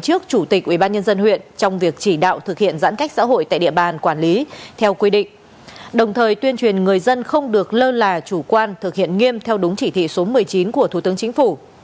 trước chủ tịch ubnd huyện trong việc chỉ đạo thực hiện giãn cách xã hội tại địa bàn quản lý theo quy định đồng thời tuyên truyền người dân không được lơ là chủ quan thực hiện nghiêm theo đúng chỉ thị số một mươi chín của thủ tướng chính phủ